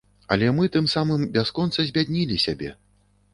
Але мы тым самым бясконца збяднілі сябе.